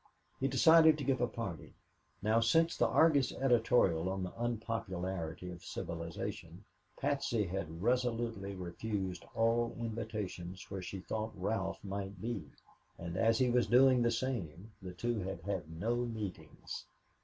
He decided to give a party. Now, since the Argus editorial on the "Unpopularity of Civilization," Patsy had resolutely refused all invitations where she thought Ralph might be, and as he was doing the same, the two had had no meetings.